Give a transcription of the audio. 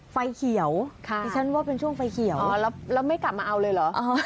ไฟเขียวดิฉันว่าเป็นช่วงไฟเขียวแล้วไม่กลับมาเอาเลยเหรอ